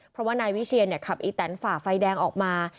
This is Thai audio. เพราะว่านายวิเชียนขับอีแตนฝ่าไฟแดงออกมา